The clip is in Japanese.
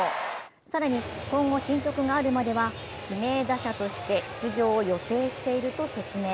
更に、今後進捗があるまでは指名打者として出場を予定していると説明。